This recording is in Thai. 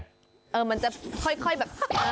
มันจะค่อยแบบ